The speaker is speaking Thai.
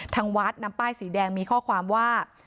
ทางวัดนำป้ายสีแดงมีข้อความว่า